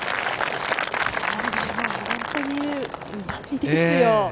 これは本当にうまいですよ。